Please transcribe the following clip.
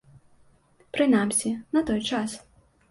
Прынамсі, на той час.